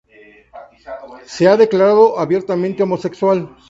Se ha declarado abiertamente homosexual.